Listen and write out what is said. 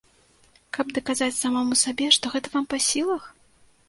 Каб даказаць самому сабе, што гэта вам па сілах?